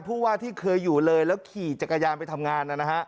ผู้ว่าที่เคยอยู่เลยแล้วขี่จักรยานไปทำงานนะฮะ